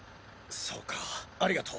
そうかありがとう。